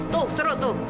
tuh seru tuh